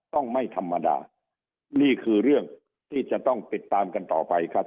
ต้องไม่ธรรมดานี่คือเรื่องที่จะต้องติดตามกันต่อไปครับ